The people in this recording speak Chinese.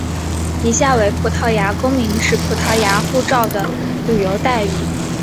以下为葡萄牙公民持葡萄牙护照的旅游待遇。